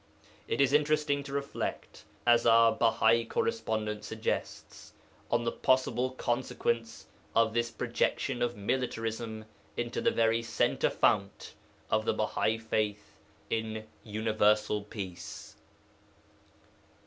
It is interesting to reflect, as our Baha correspondent suggests, on the possible consequence of this projection of militarism into the very centre fount of the Bahai faith in universal peace.'